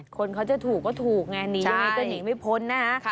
คนเขาจะถูกก็ถูกไงหนียังไงก็หนีไม่พ้นนะฮะ